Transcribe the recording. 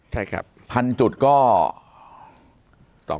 ใช่ครับ๑๐๐๐จุดก็